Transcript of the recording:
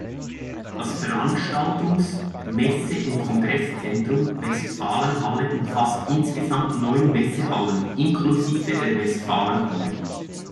Das Veranstaltungs-, Messe- und Kongresszentrum Westfalenhallen umfasst insgesamt neun Messehallen, inklusive der Westfalenhalle.